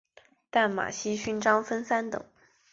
淡马锡勋章分三等。